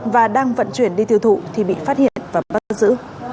và đang vận chuyển đi tiêu thụ thì bị phát hiện và bắt giữ